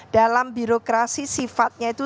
dalam birokrasi sifatnya itu